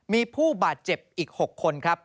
มีผู้บาดเจ็บอีก๖คนครับ